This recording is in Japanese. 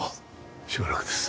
しばらくです。